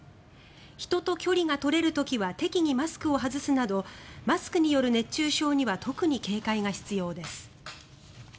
人と距離が取れる時は適宜マスクを外すなどマスクによる熱中症には特に警戒が必要です。